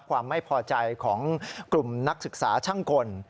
ความไม่พอใจของกลุ่มนักศึกษาช่างกล